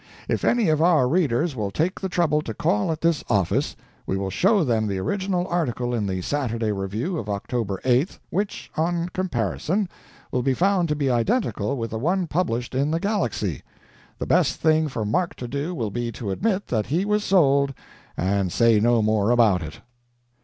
If any of our readers will take the trouble to call at this office we sill show them the original article in the Saturday Review of October 8th, which, on comparison, will be found to be identical with the one published in The Galaxy. The best thing for Mark to do will be to admit that he was sold, and say no more about it.